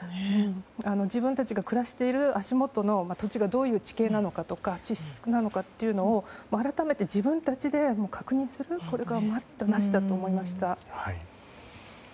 自分たちが暮らしている足元の土地がどういう地形なのかとか地質なのかというのを改めて、自分たちで確認することが待ったなしだと思いました。